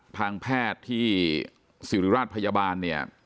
ทางแพทย์ที่สิริราชพยาบาลเนี่ย